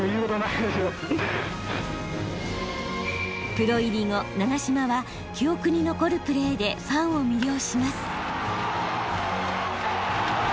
プロ入り後長嶋は記憶に残るプレーでファンを魅了します。